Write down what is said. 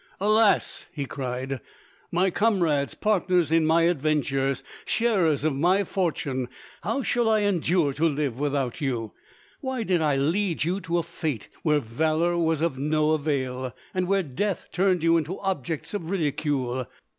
"Alas!" he cried, "my comrades, partners in my adventures, sharers of my fortune, how shall I endure to live without you? Why did I lead you to a fate where valour was of no avail, and where death turned you into objects of ridicule?